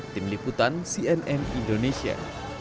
tim liputan cnn indonesia